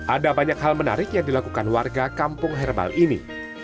ada banyak hal menarik yang dilakukan warga kampung herbal ini